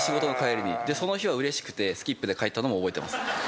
その日はうれしくてスキップで帰ったのも覚えてます。